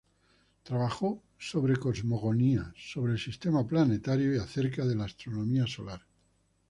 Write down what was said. Trabajó sobre cosmogonía, sobre el sistema planetario y acerca de la astronomía solar.